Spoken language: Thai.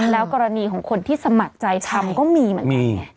แล้วกรณีของคนที่สมัครใจทำก็มีเหมือนกัน